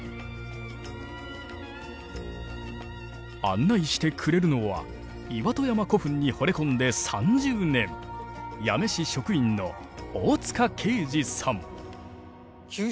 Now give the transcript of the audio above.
案内してくれるのは岩戸山古墳にほれこんで３０年八女市職員の大塚恵治さん。